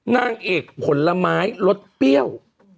นางเอกผลไม้รสเปรี้ยว